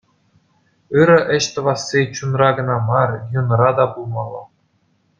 Ырӑ ӗҫ тӑвасси чунра кӑна мар, юнра та пулмалла.